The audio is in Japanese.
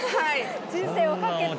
人生をかけて！